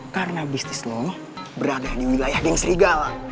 karena bisnis lu berada di wilayah geng serigala